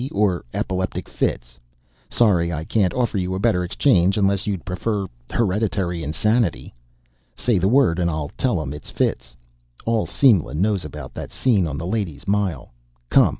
T. or epileptic fits? Sorry I can't offer you a better exchange unless you'd prefer hereditary insanity. Say the word and I'll tell 'em it's fits. All Simla knows about that scene on the Ladies' Mile. Come!